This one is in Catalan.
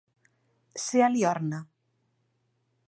Ser a Liorna.